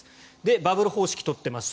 バブル方式を取っています。